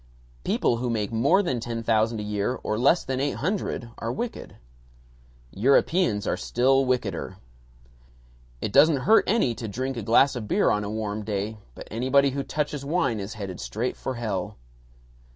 People who make more than ten thousand a year or less than eight hundred are wicked. Europeans are still wickeder. It doesn't hurt any to drink a glass of beer on a warm day, but anybody who touches wine is headed straight for hell.